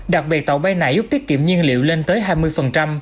đặc biệt tàu bay này giúp tiết kiệm nhiên liệu lên tầng